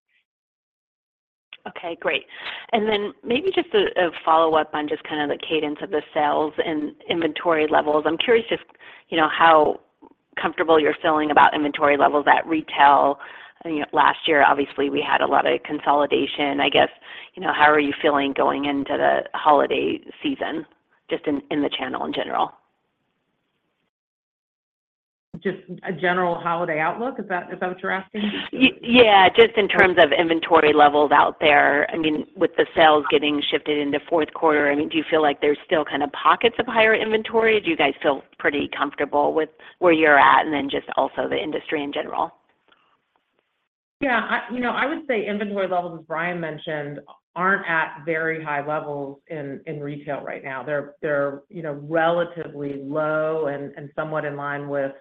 Okay, great. And then maybe just a follow-up on just kind of the cadence of the sales and inventory levels. I'm curious just, you know, how comfortable you're feeling about inventory levels at retail? You know, last year, obviously, we had a lot of consolidation. I guess, you know, how are you feeling going into the holiday season, just in the channel in general? Just a general holiday outlook, is that, is that what you're asking? Yeah, just in terms of inventory levels out there. I mean, with the sales getting shifted into fourth quarter, I mean, do you feel like there's still kind of pockets of higher inventory? Do you guys feel pretty comfortable with where you're at, and then just also the industry in general? Yeah. You know, I would say inventory levels, as Brian mentioned, aren't at very high levels in retail right now. They're you know, relatively low and somewhat in line with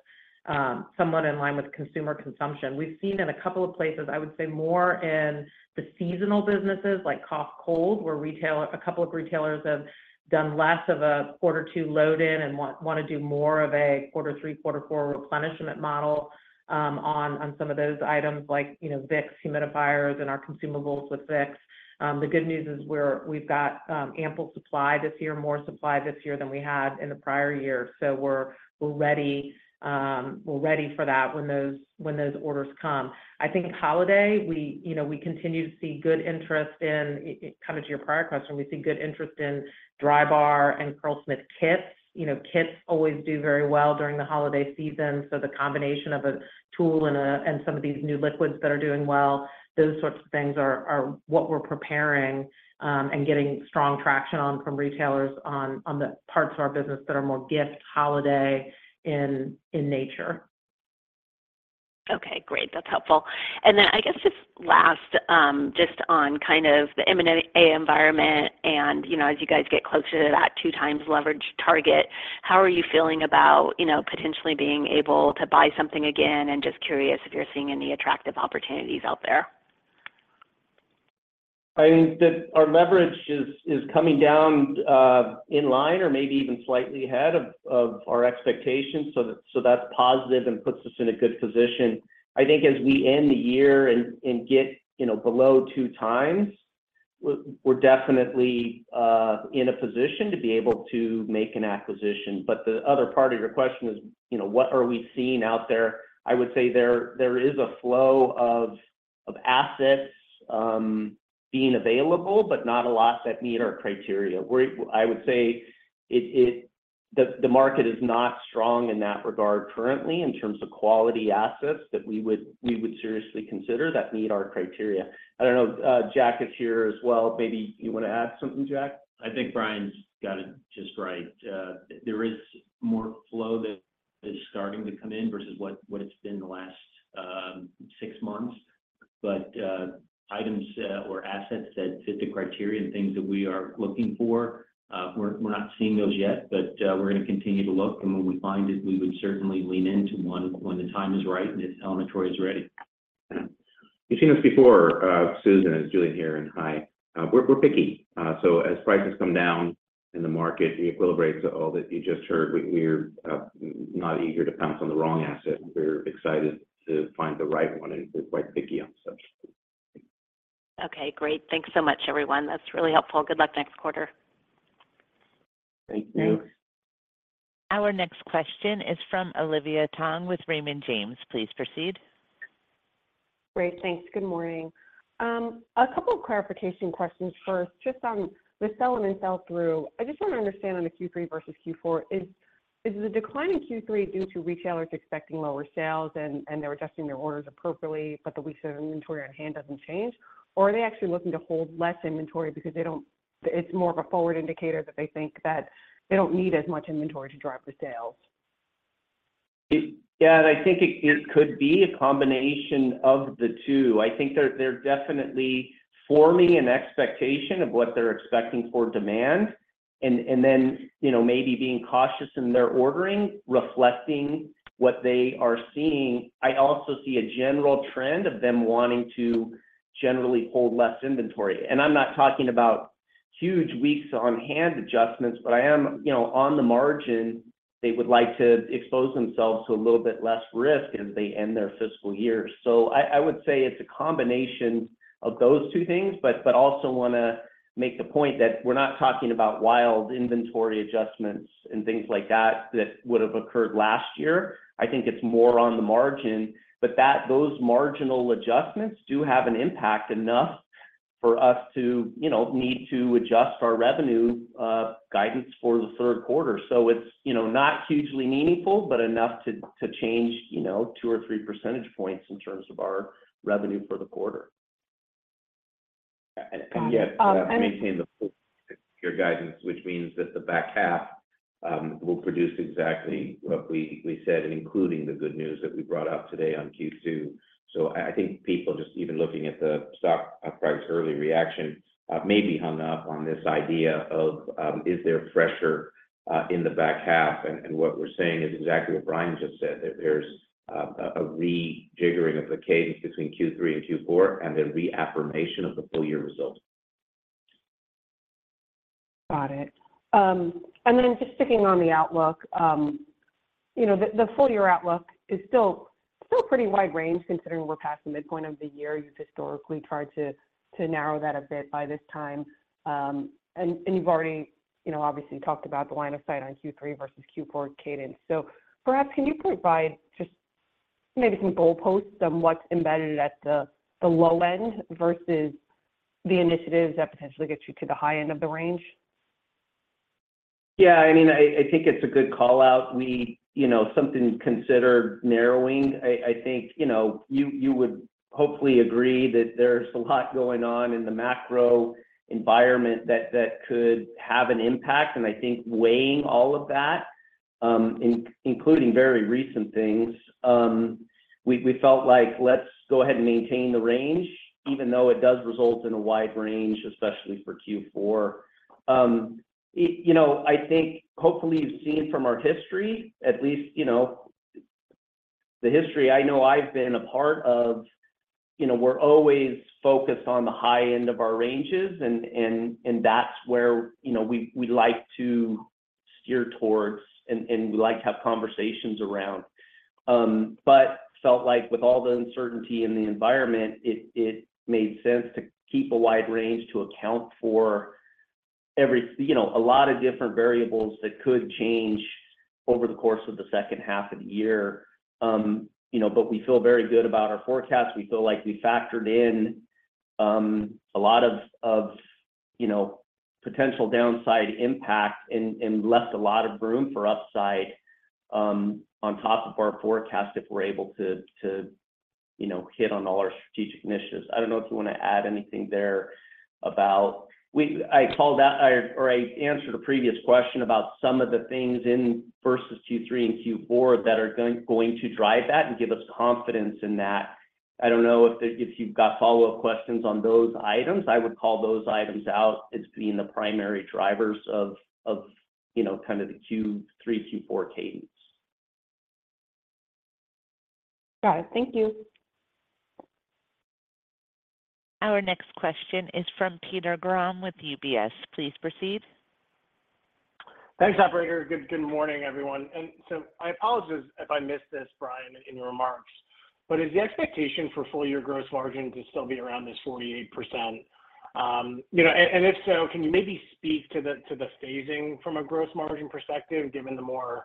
consumer consumption. We've seen in a couple of places, I would say more in the seasonal businesses, like cough, cold, where retail, a couple of retailers have done less of a quarter two load-in, and want to do more of a quarter three, quarter four replenishment model, on some of those items like, you know, Vicks humidifiers and our consumables with Vicks. The good news is we're, we've got ample supply this year, more supply this year than we had in the prior year, so we're ready for that when those orders come. I think holiday, we, you know, we continue to see good interest in... Kind of to your prior question, we see good interest in Drybar and Curlsmith kits. You know, kits always do very well during the holiday season, so the combination of a tool and a, and some of these new liquids that are doing well, those sorts of things are, are what we're preparing, and getting strong traction on from retailers on, on the parts of our business that are more gift, holiday in, in nature. Okay, great. That's helpful. And then I guess just last, just on kind of the M&A environment and, you know, as you guys get closer to that 2x leverage target, how are you feeling about, you know, potentially being able to buy something again? And just curious if you're seeing any attractive opportunities out there. I think that our leverage is coming down in line or maybe even slightly ahead of our expectations, so that's positive and puts us in a good position. I think as we end the year and get, you know, below 2x, we're definitely in a position to be able to make an acquisition. But the other part of your question is, you know, what are we seeing out there? I would say there is a flow of assets being available, but not a lot that meet our criteria. I would say it. The market is not strong in that regard currently, in terms of quality assets that we would seriously consider that meet our criteria. I don't know, Jack is here as well. Maybe you want to add something, Jack? I think Brian's got it just right. There is more flow that is starting to come in versus what it's been the last six months. But items or assets that fit the criteria and things that we are looking for, we're not seeing those yet, but we're gonna continue to look, and when we find it, we would certainly lean into one when the time is right and if inventory is ready. You've seen this before, Susan, it's Julien here, and hi. We're, we're picky. So as prices come down in the market, it equilibrates all that you just heard. We're not eager to pounce on the wrong asset. We're excited to find the right one and we're quite picky on such. Okay, great. Thanks so much, everyone. That's really helpful. Good luck next quarter. Thank you. Thanks. Our next question is from Olivia Tong with Raymond James. Please proceed. Great, thanks. Good morning. A couple of clarification questions first, just on the slower than sell-through. I just want to understand on the Q3 versus Q4, is, is the decline in Q3 due to retailers expecting lower sales and, and they're adjusting their orders appropriately, but the weeks of inventory on hand doesn't change? Or are they actually looking to hold less inventory because they don't-- it's more of a forward indicator that they think that they don't need as much inventory to drive the sales? Yeah, and I think it could be a combination of the two. I think they're definitely forming an expectation of what they're expecting for demand and then, you know, maybe being cautious in their ordering, reflecting what they are seeing. I also see a general trend of them wanting to generally hold less inventory, and I'm not talking about huge weeks on hand adjustments, but I am, you know, on the margin, they would like to expose themselves to a little bit less risk as they end their fiscal year. So I would say it's a combination of those two things, but also wanna make the point that we're not talking about wild inventory adjustments and things like that, that would have occurred last year. I think it's more on the margin, but those marginal adjustments do have an impact enough for us to, you know, need to adjust our revenue guidance for the third quarter. So it's, you know, not hugely meaningful, but enough to change, you know, two or three percentage points in terms of our revenue for the quarter. And yet, maintain the full year guidance, which means that the back half will produce exactly what we said, including the good news that we brought out today on Q2. So I think people just even looking at the stock price, early reaction, may be hung up on this idea of is there pressure in the back half? What we're saying is exactly what Brian just said, that there's a rejiggering of the cadence between Q3 and Q4, and a reaffirmation of the full year results.... Got it. And then just sticking on the outlook, you know, the full year outlook is still pretty wide range considering we're past the midpoint of the year. You've historically tried to narrow that a bit by this time. And you've already, you know, obviously talked about the line of sight on Q3 versus Q4 cadence. So perhaps can you provide just maybe some goalposts on what's embedded at the low end versus the initiatives that potentially get you to the high end of the range? Yeah, I mean, I think it's a good call-out. We, you know, something considered narrowing. I think, you know, you would hopefully agree that there's a lot going on in the macro environment that could have an impact. And I think weighing all of that, including very recent things, we felt like let's go ahead and maintain the range, even though it does result in a wide range, especially for Q4. It, you know, I think hopefully you've seen from our history, at least, you know, the history I know I've been a part of, you know, we're always focused on the high end of our ranges, and that's where, you know, we like to steer towards and we like to have conversations around. But felt like with all the uncertainty in the environment, it made sense to keep a wide range to account for every—you know, a lot of different variables that could change over the course of the second half of the year. You know, but we feel very good about our forecast. We feel like we factored in a lot of, you know, potential downside impact and left a lot of room for upside on top of our forecast, if we're able to, you know, hit on all our strategic initiatives. I don't know if you want to add anything there about... We—I called out or I answered a previous question about some of the things in versus Q3 and Q4 that are going to drive that and give us confidence in that. I don't know if you've got follow-up questions on those items. I would call those items out as being the primary drivers of, you know, kind of the Q3, Q4 cadence. Got it. Thank you. Our next question is from Peter Grom with UBS. Please proceed. Thanks, operator. Good morning, everyone. So I apologize if I missed this, Brian, in your remarks, but is the expectation for full year gross margin to still be around this 48%? You know, and if so, can you maybe speak to the phasing from a gross margin perspective, given the more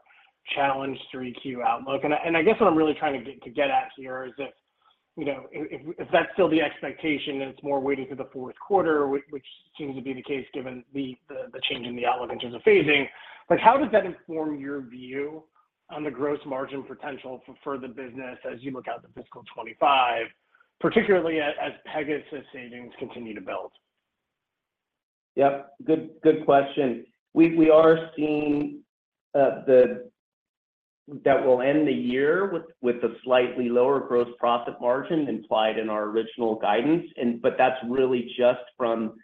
challenged 3Q outlook? And I guess what I'm really trying to get at here is if, you know, if that's still the expectation and it's more waiting for the fourth quarter, which seems to be the case, given the change in the outlook in terms of phasing. Like, how does that inform your view on the gross margin potential for the business as you look out to fiscal 2025, particularly as Pegasus savings continue to build? Yep. Good, good question. We are seeing that we'll end the year with a slightly lower gross profit margin implied in our original guidance. But that's really just from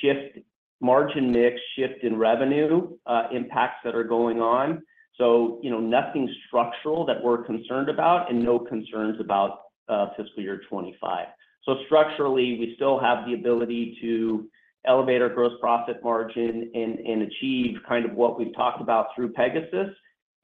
shift margin mix, shift in revenue impacts that are going on. So, you know, nothing structural that we're concerned about and no concerns about fiscal year 2025. So structurally, we still have the ability to elevate our gross profit margin and achieve kind of what we've talked about through Pegasus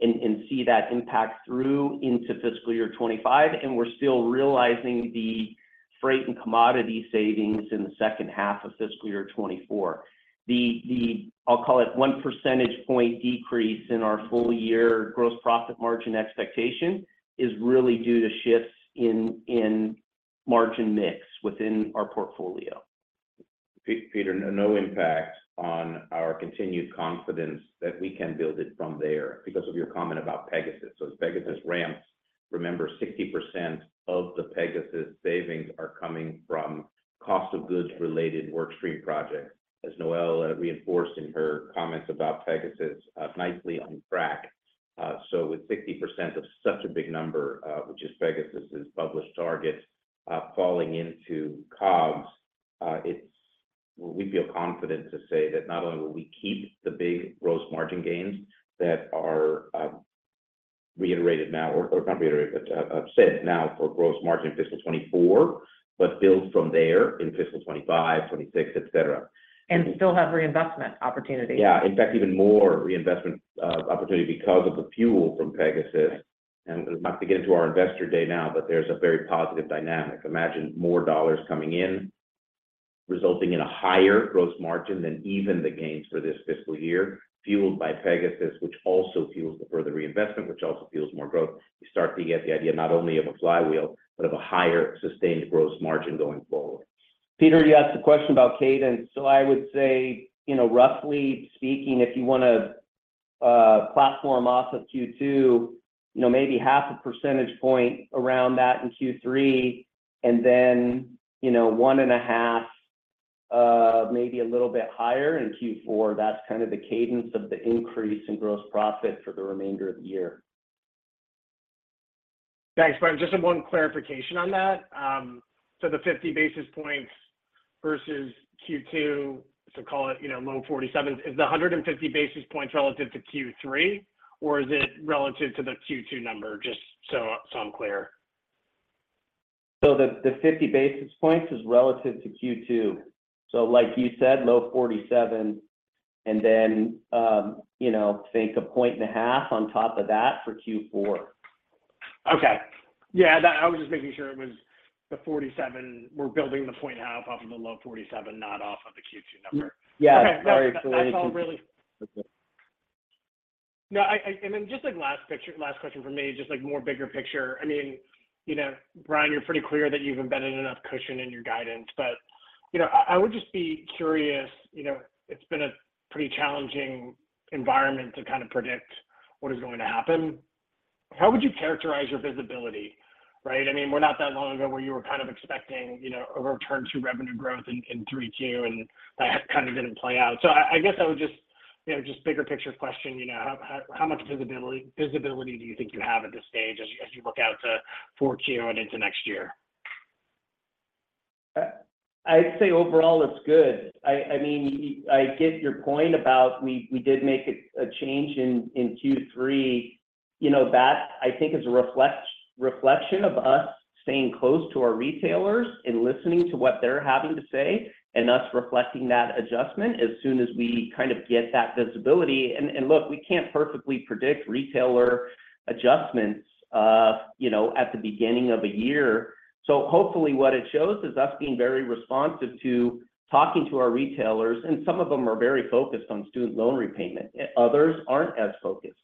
and see that impact through into fiscal year 2025. And we're still realizing the freight and commodity savings in the second half of fiscal year 2024. I'll call it 1 percentage point decrease in our full year gross profit margin expectation is really due to shifts in margin mix within our portfolio. Peter, no impact on our continued confidence that we can build it from there because of your comment about Pegasus. So as Pegasus ramps, remember, 60% of the Pegasus savings are coming from cost of goods-related workstream projects. As Noel reinforced in her comments about Pegasus, nicely on track. So with 60% of such a big number, which is Pegasus' published target, falling into COGS, it's we feel confident to say that not only will we keep the big gross margin gains that are, reiterated now, or, or not reiterated, but, set now for gross margin in fiscal 2024, but build from there in fiscal 2025, 2026, etc. Still have reinvestment opportunity. Yeah. In fact, even more reinvestment opportunity because of the fuel from Pegasus. And not to get into our investor day now, but there's a very positive dynamic. Imagine more dollars coming in, resulting in a higher gross margin than even the gains for this fiscal year, fueled by Pegasus, which also fuels the further reinvestment, which also fuels more growth. You start to get the idea not only of a flywheel, but of a higher sustained gross margin going forward. Peter, you asked a question about cadence, so I would say, you know, roughly speaking, if you want to platform off of Q2, you know, maybe 0.5 percentage points around that in Q3, and then, you know, 1.5, maybe a little bit higher in Q4. That's kind of the cadence of the increase in gross profit for the remainder of the year. Thanks, Brian. Just one clarification on that. So the 50 basis points versus Q2, so call it, you know, low 47s. Is the 150 basis points relative to Q3, or is it relative to the Q2 number? Just so, so I'm clear.... So the 50 basis points is relative to Q2. So like you said, low 47, and then, you know, think 1.5 on top of that for Q4. Okay. Yeah, I was just making sure it was the 47. We're building the 0.5 off of the low 47, not off of the Q2 number. Yeah. That's all really. No. And then just like last bigger picture question from me, just like more bigger picture. I mean, you know, Brian, you're pretty clear that you've embedded enough cushion in your guidance, but, you know, I would just be curious, you know, it's been a pretty challenging environment to kind of predict what is going to happen. How would you characterize your visibility, right? I mean, we're not that long ago where you were kind of expecting, you know, a return to revenue growth in 3Q, and that kind of didn't play out. So I guess I would just, you know, just bigger picture question, you know, how much visibility do you think you have at this stage as you look out to 4Q and into next year? I'd say overall it's good. I mean, I get your point about we did make a change in Q3. You know, that I think is a reflection of us staying close to our retailers and listening to what they're having to say, and us reflecting that adjustment as soon as we kind of get that visibility. And look, we can't perfectly predict retailer adjustments, you know, at the beginning of a year. So hopefully what it shows is us being very responsive to talking to our retailers, and some of them are very focused on student loan repayment, others aren't as focused.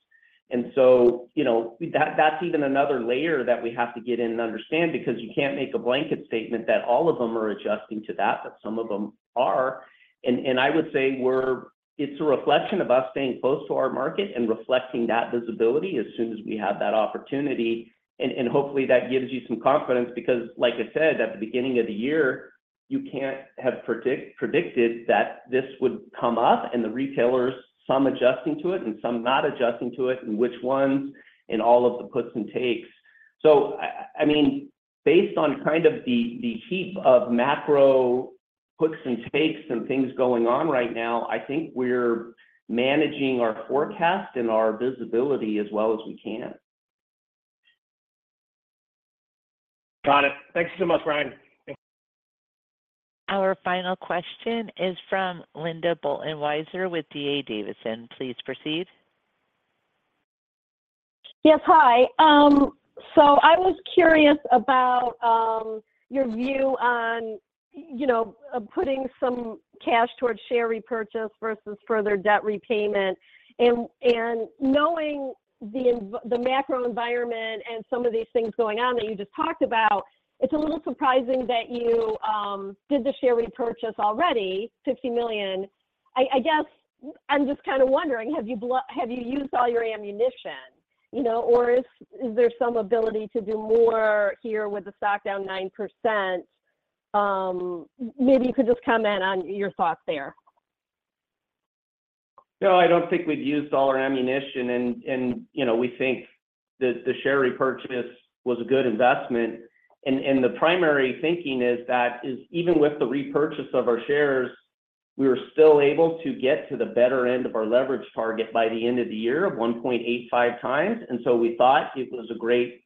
And so, you know, that's even another layer that we have to get in and understand, because you can't make a blanket statement that all of them are adjusting to that, but some of them are. I would say we're—it's a reflection of us staying close to our market and reflecting that visibility as soon as we have that opportunity. And hopefully, that gives you some confidence, because like I said, at the beginning of the year, you can't have predicted that this would come up, and the retailers, some adjusting to it and some not adjusting to it, and which ones, and all of the puts and takes. So I mean, based on kind of the heap of macro puts and takes and things going on right now, I think we're managing our forecast and our visibility as well as we can. Got it. Thank you so much, Brian. Our final question is from Linda Bolton Weiser with D.A. Davidson. Please proceed. Yes, hi. So I was curious about your view on, you know, putting some cash towards share repurchase versus further debt repayment. And knowing the macro environment and some of these things going on that you just talked about, it's a little surprising that you did the share repurchase already, $50 million. I guess I'm just kind of wondering, have you used all your ammunition, you know? Or is there some ability to do more here with the stock down 9%? Maybe you could just comment on your thoughts there. No, I don't think we've used all our ammunition. And you know, we think that the share repurchase was a good investment. And the primary thinking is that even with the repurchase of our shares, we were still able to get to the better end of our leverage target by the end of the year of 1.85x. And so we thought it was a great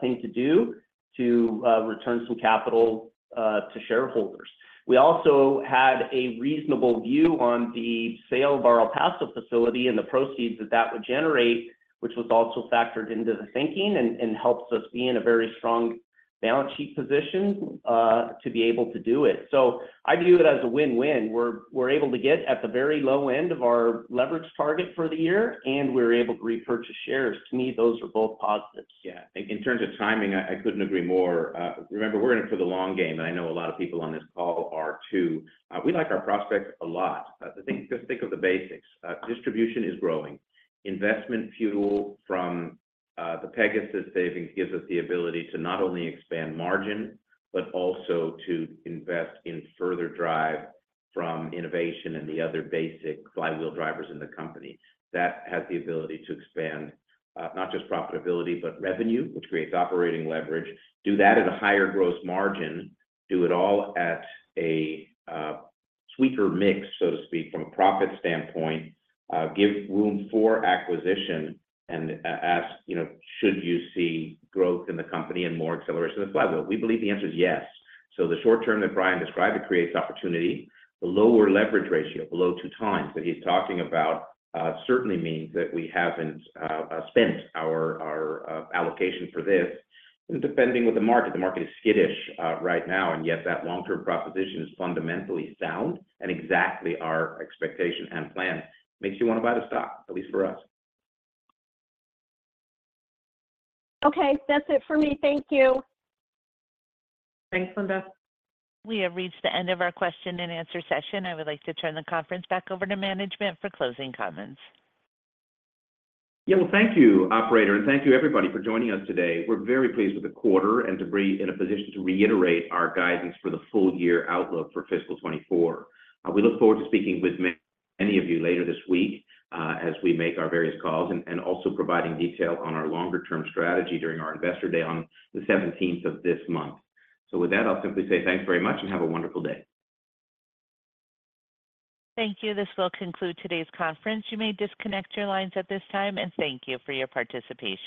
thing to do to return some capital to shareholders. We also had a reasonable view on the sale of our El Paso facility and the proceeds that that would generate, which was also factored into the thinking and helps us be in a very strong balance sheet position to be able to do it. So I view it as a win-win. We're able to get at the very low end of our leverage target for the year, and we're able to repurchase shares. To me, those are both positives. Yeah, in terms of timing, I couldn't agree more. Remember, we're in it for the long game, and I know a lot of people on this call are, too. We like our prospects a lot. Just think of the basics. Distribution is growing. Investment fuel from the Pegasus savings gives us the ability to not only expand margin, but also to invest in further drive from innovation and the other basic flywheel drivers in the company. That has the ability to expand not just profitability, but revenue, which creates operating leverage. Do that at a higher gross margin, do it all at a sweeter mix, so to speak, from a profit standpoint, give room for acquisition, and ask, you know, should you see growth in the company and more acceleration of the flywheel? We believe the answer is yes. So the short term that Brian described, it creates opportunity. The lower leverage ratio, below two times, that he's talking about, certainly means that we haven't spent our allocation for this, depending with the market. The market is skittish, right now, and yet that long-term proposition is fundamentally sound and exactly our expectation and plan. Makes you want to buy the stock, at least for us. Okay, that's it for me. Thank you. Thanks, Linda. We have reached the end of our question and answer session. I would like to turn the conference back over to management for closing comments. Yeah, well, thank you, operator, and thank you, everybody, for joining us today. We're very pleased with the quarter and to be in a position to reiterate our guidance for the full year outlook for fiscal 2024. We look forward to speaking with many of you later this week as we make our various calls, and also providing detail on our longer term strategy during our Investor Day on the seventeenth of this month. So with that, I'll simply say thanks very much and have a wonderful day. Thank you. This will conclude today's conference. You may disconnect your lines at this time, and thank you for your participation.